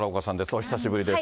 お久しぶりです。